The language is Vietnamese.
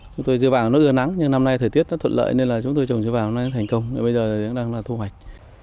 chúng tôi dưa vàng nó ưa nắng nhưng năm nay thời tiết nó thuận lợi nên là chúng tôi trồng dưa vàng nó thành công bây giờ nó đang là thu hoạch